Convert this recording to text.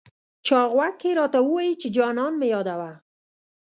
چا غوږ کې راته وویې چې جانان مه یادوه.